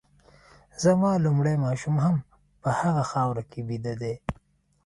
زما لومړی ماشوم هم په هغه خاوره کي بیده دی